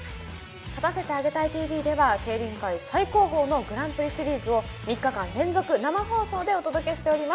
『勝たせてあげたいＴＶ』ではグランプリシリーズを３日間連続、生放送でお届けしております。